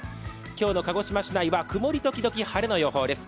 今日の鹿児島市内は曇り時々晴れの予報です。